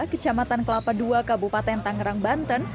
kecamatan kelapa ii kabupaten tangerang banten